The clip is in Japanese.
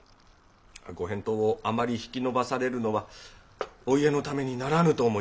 御返答をあまり引き延ばされるのはお家のためにならぬと思いますがね。